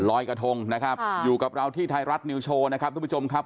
รอยกระทงนะครับอยู่กับเราที่ไทยรัฐนิวโชว์นะครับทุกผู้ชมครับ